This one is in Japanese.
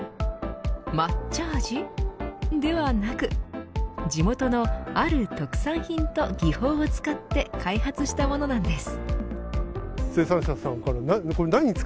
抹茶味ではなく地元のある特産品と技法を使って開発したものなんです。